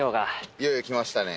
いよいよ来ましたね。